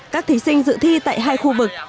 các thí sinh dự thi tại hai khu vực